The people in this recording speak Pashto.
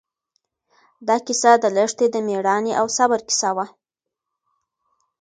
دا کیسه د لښتې د مېړانې او صبر کیسه وه.